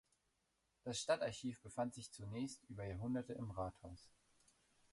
Das Stadtarchiv befand sich zunächst über Jahrhunderte im Rathaus.